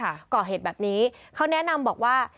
ก่อเหตุแบบนี้เขาแนะนำบอกว่า